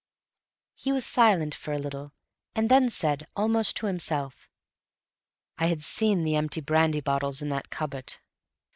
He was silent for a little, and then said, almost to himself, "I had seen the empty brandy bottles in that cupboard."